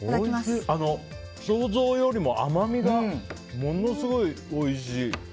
想像よりも甘みがものすごいおいしい。